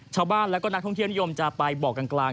ชาวบ้านและก็นักท่องเที่ยวนิยมจะไปบอกกลาง